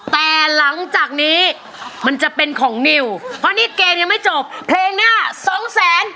แต่หลังจากนี้มันจะเป็นของนิวเพราะนี่เกมยังไม่จบเพลงหน้าสองแสน